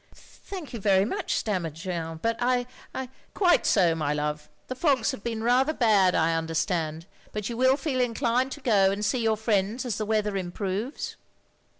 "Thank you very much —" stammered Jeanne, "but— I— I—" "Quite so, my love; the fogs have been rather OF GROSVENOR SQUARE 23 bad, I ur derstand ; but you will feel inclined to go and see your friends as the weather improves."